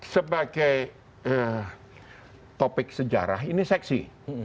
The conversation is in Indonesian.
sebagai topik sejarah ini seksi